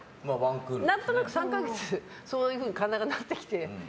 何となく３か月そういうふうになって。